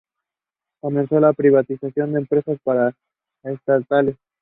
Comenzó la privatización de empresas paraestatales.